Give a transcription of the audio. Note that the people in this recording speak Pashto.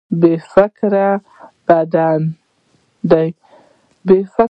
بې فکري بد دی.